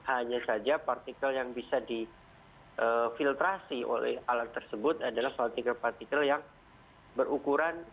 hanya saja partikel yang bisa difiltrasi oleh alat tersebut adalah partikel partikel yang berukuran